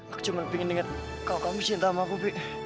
aku cuma pengen denger kalau kamu cinta sama aku pi